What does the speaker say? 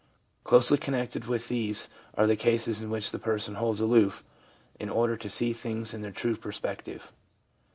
Closely connected with these are the cases in which the person holds aloof in order to see things in their true perspective.